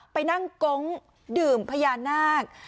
ไปนั่งโก๊งดื่มพญานาค